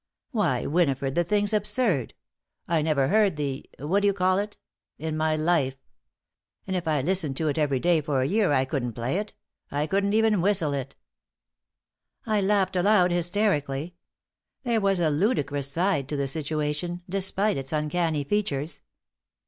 "Why, Winifred, the thing's absurd. I never heard the what do you call it? in my life. And if I'd listened to it every day for a year I couldn't play it. I couldn't even whistle it." I laughed aloud hysterically. There was a ludicrous side to the situation, despite its uncanny features.